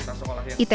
itb pun memastikan